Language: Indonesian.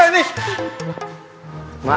terima kasih pak